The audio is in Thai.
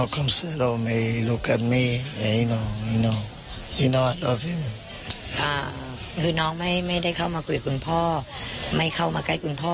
คือน้องไม่ได้เข้ามาคุยกับคุณพ่อไม่เข้ามาใกล้คุณพ่อ